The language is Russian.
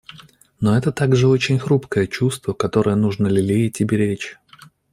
Но это также очень хрупкое чувство, которое нужно лелеять и беречь.